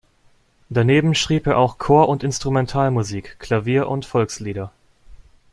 Daneben schrieb er auch Chor- und Instrumentalmusik, Klavier- und Volkslieder.